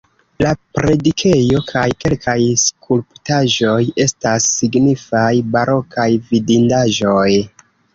La predikejo kaj kelkaj skulptaĵoj estas signifaj barokaj vidindaĵoj.